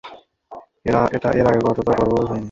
এর আগে কখনো এতটা গর্ববোধ হয়নি।